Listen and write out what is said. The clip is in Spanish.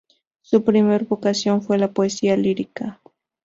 Su primera vocación fue la poesía lírica.